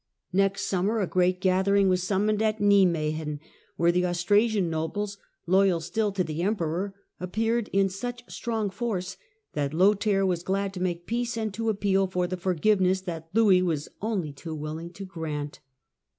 Next spring a great gathering was summoned to Nimuegen, where the Austrasian nobles, loyal still to the Emperor, appeared in such strong force that Lothair was glad to make peace and to appeal for the forgiveness that Louis was only too willing to grant.